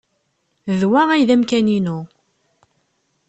D wa ay d amkan-inu.